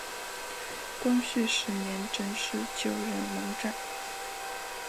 光绪十年正式就任盟长。